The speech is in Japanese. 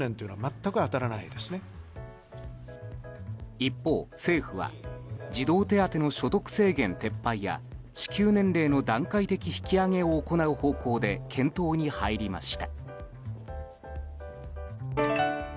一方、政府は児童手当の所得制限撤廃や支給年齢の段階的引き上げを行う方向で検討に入りました。